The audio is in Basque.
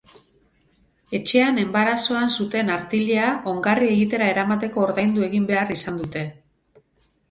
Etxean enbarazoan zuten artilea ongarri egitera eramateko ordaindu egin behar izan dute.